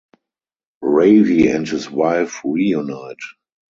Ravi and his wife reunite.